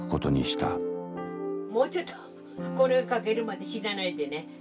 もうちょっとこれが書けるまで死なないでね。